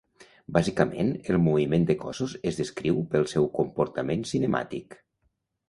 Bàsicament, el moviment de cossos es descriu pel seu comportament cinemàtic.